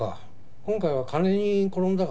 今回は金に転んだか。